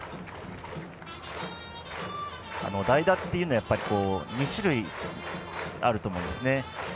代打っていうのは２種類あると思うんですね。